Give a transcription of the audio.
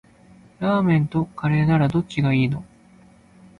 ラーメンとカレーならどっちがいいの？